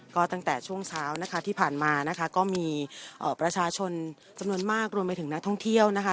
ก็ตั้งแต่ช่วงเช้านะคะที่ผ่านมานะคะก็มีประชาชนจำนวนมากรวมไปถึงนักท่องเที่ยวนะคะ